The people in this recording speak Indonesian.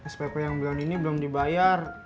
spp yang bulan ini belum dibayar